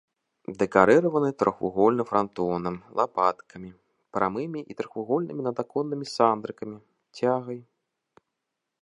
Дэкарыраваны трохвугольным франтонам, лапаткамі, прамымі і трохвугольнымі надаконнымі сандрыкамі, цягай.